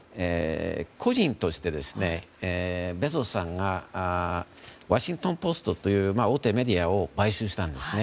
個人として、ベゾスさんがワシントン・ポストという大手メディアを買収したんですね。